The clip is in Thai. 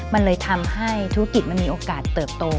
มันเลยทำให้ธุรกิจมันมีโอกาสเติบโต